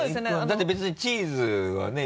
だって別にチーズはね